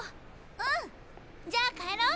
うん！じゃあ帰ろう。